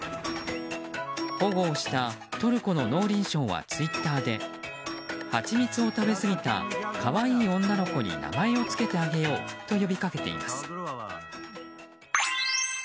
保護をしたトルコの農林省はツイッターでハチミツを食べ過ぎた可愛い女の子に名前を付けてあげようと呼びかけています。